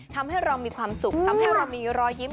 ทำให้เรามีความสุขทำให้เรามีรอยยิ้ม